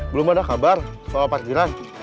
belum ada kabar bahwa parkiran